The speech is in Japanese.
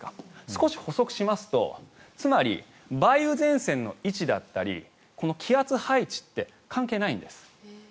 少し補足しますとつまり梅雨前線の位置だったりこの気圧配置って関係ないんです。